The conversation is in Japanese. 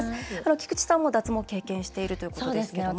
菊地さんも脱毛を経験しているということですけども。